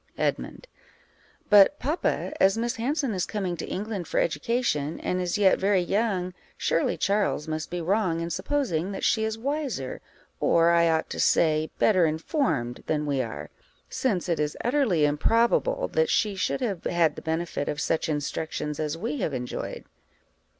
Edmund. But, papa, as Miss Hanson is coming to England for education, and is yet very young, surely Charles must be wrong in supposing that she is wiser, or, I ought to say, better informed, than we are, since it is utterly improbable that she should have had the benefit of such instructions as we have enjoyed.